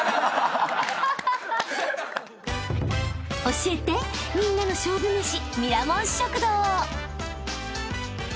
［教えてみんなの勝負めし］